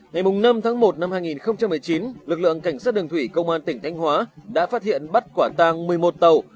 ngày năm tháng một năm hai nghìn một mươi chín lực lượng cảnh sát đường thủy công an tỉnh thanh hóa đã phát hiện bắt quả tang một mươi một tàu